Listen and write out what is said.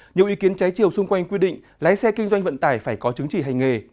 nhiều ý kiến trái chiều xung quanh quy định lái xe kinh doanh vận tải phải có chứng chỉ hành nghề